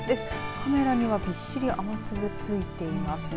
カメラには、びっしり雨粒が付いていますね。